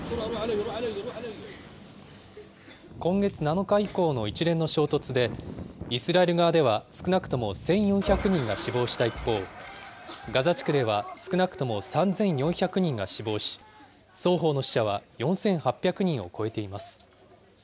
今月７日以降の一連の衝突で、イスラエル側では少なくとも１４００人が死亡した一方、ガザ地区では少なくとも３４００人が死亡し、双方の死者は４８００人を超えています。